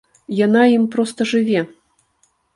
Яна ім проста жыве!